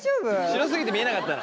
白すぎて見えなかったの。